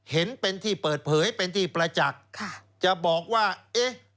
เห็นเป็นที่เปิดเผยเป็นที่ประจักษ์จะบอกว่าเอ๊ะ